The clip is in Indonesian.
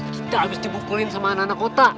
kita habis dibukulin sama anak anak kota